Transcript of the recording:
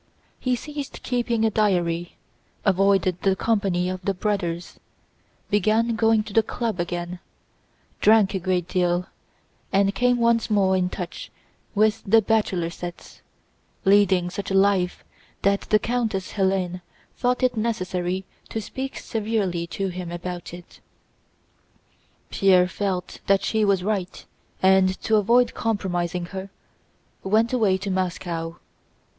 He ceased keeping a diary, avoided the company of the Brothers, began going to the club again, drank a great deal, and came once more in touch with the bachelor sets, leading such a life that the Countess Hélène thought it necessary to speak severely to him about it. Pierre felt that she was right, and to avoid compromising her went away to Moscow.